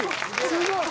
すごい。